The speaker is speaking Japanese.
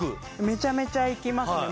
めちゃめちゃ行きますね